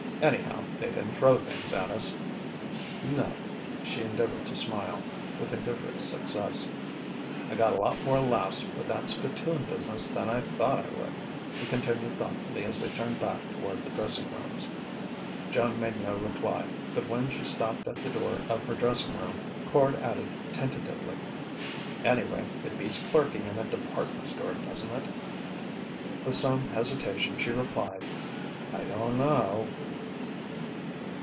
"Anyhow, they didn't throw things at us." "No." She endeavoured to smile, with indifferent success. "I got a lot more laughs with that spittoon business than I thought I would," he continued thoughtfully as they turned back toward the dressing rooms. Joan made no reply, but when she stopped at the door of her dressing room, Quard added tentatively: "Anyway, it beats clerking in a department store, doesn't it?" With some hesitation she replied: "I don't know...."